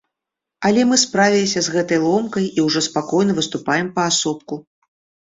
Але мы справіліся з гэтай ломкай і ўжо спакойна выступаем паасобку.